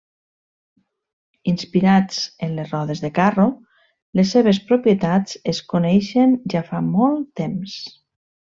Inspirats en les rodes de carro, les seves propietats es coneixien ja fa molt temps.